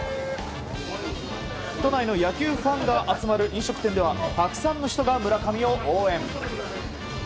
都内の野球ファンが集まる飲食店ではたくさんの人が村上を応援。